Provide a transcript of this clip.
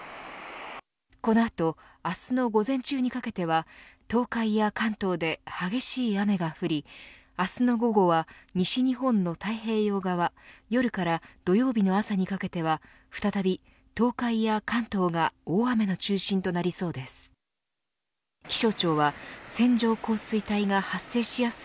この後明日の午前中にかけては東海や関東で激しい雨が降り明日の午後は西日本の太平洋側夜から土曜日の朝にかけては再び東海や関東が大雨の中心となりそうです。